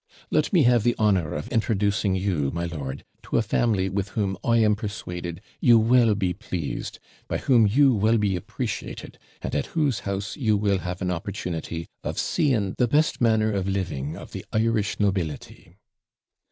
'Let me have the honour of introducing you, my lord, to a family, with whom, I am persuaded, you will be pleased; by whom you will be appreciated; and at whose house you will have an opportunity of seeing the best manner of living of the Irish nobility.'